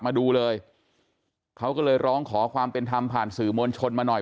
มาดูเลยเขาก็เลยร้องขอความเป็นธรรมผ่านสื่อมวลชนมาหน่อย